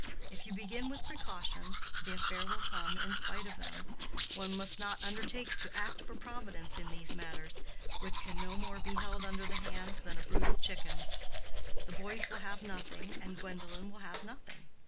If you begin with precautions, the affair will come in spite of them. One must not undertake to act for Providence in these matters, which can no more be held under the hand than a brood of chickens. The boys will have nothing, and Gwendolen will have nothing.